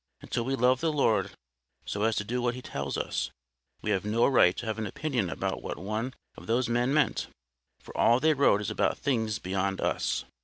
Until we love the Lord so as to do what He tells us, we have no right to have an opinion about what one of those men meant; for all they wrote is about things beyond us.